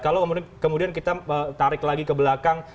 kalau kemudian kita tarik lagi ke belakang